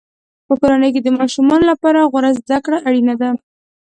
په کورنۍ کې د ماشومانو لپاره غوره زده کړه اړینه ده.